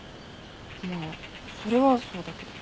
まあそれはそうだけど。